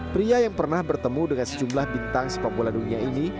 pria yang pernah bertemu dengan sejumlah bintang sepak bola dunia ini